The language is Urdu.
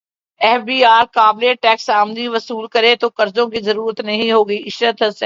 ایف بی ار قابل ٹیکس امدنی وصول کرے تو قرضوں کی ضرورت نہیں ہوگی عشرت حسین